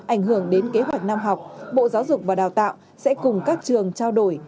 ảnh hưởng đến kế hoạch năm học bộ giáo dục và đào tạo sẽ cùng các trường trao đổi